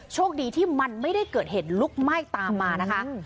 โชคดีที่มันไม่ได้เกิดเหตุลุกไหม้ตามมานะคะ